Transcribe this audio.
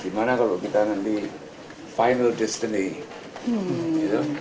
gimana kalau kita nanti final destiny yaudah